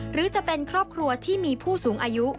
หรือจะเป็นครอบครัวที่มีผู้สูงอายุ